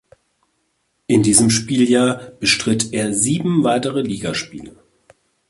In diesem Spieljahr bestritt er sieben weitere Ligaspiele.